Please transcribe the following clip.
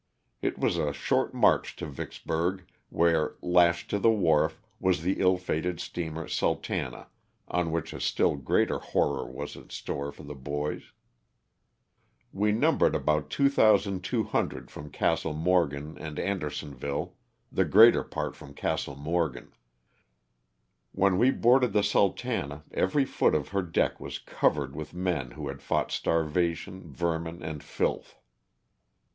It was a short march to Vicksburg where, lashed to the wharf, was the ill fated steamer "Sultana," on which a still greater horror was in store for the boys. We numbered about 2,200 from Castle Morgan and Andersonville, the greater part from Castle Morgan. When we boarded the *' Sultana '^ every foot of her deck was covered with men who had fought starvation, vermin and filth.